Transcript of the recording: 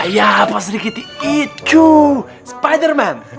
ya pak serikiti itu spiderman